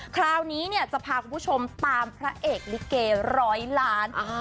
คราวนี้เนี่ยจะพาคุณผู้ชมตามพระเอกลิเกร้อยล้าน